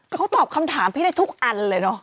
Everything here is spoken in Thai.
เขาตอบคำถามพี่ได้ทุกอันเลยเนอะ